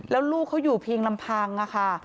แล้วลูกเขาอยู่เพียงลำพังค่ะ